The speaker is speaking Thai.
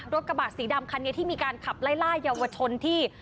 กระบาดสีดำคันนี้ที่มีการขับไล่ล่าเยาวชนที่